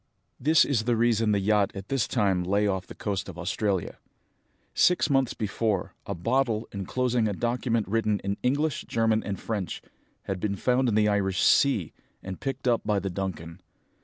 "This is the reason the yacht at this time lay off the coast of Australia. Six months before, a bottle, enclosing a document written in English, German, and French, had been found in the Irish sea, and picked up by the Duncan.